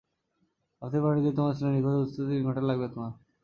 ভাবতেও পারিনি তোমার ছেলে নিখোঁজ তা বুঝতে তিন ঘন্টা লাগবে তোমার।